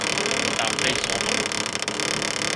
答非所問